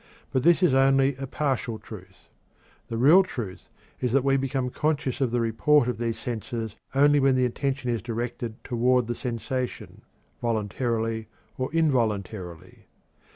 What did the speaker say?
But this is only a partial truth. The real truth is that we become conscious of the report of these senses only when the attention is directed toward the sensation, voluntarily or involuntarily.